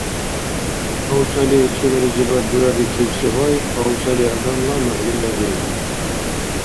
АвцӀали цулализибад дурабикибси гъай, авцӀали адамла мухӀлила биур.